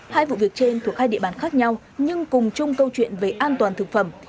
hai vụ việc trên thuộc hai địa bàn khác nhau nhưng cùng chung câu chuyện về an toàn thực phẩm